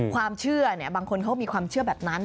ความเชื่อบางคนเขามีความเชื่อแบบนั้น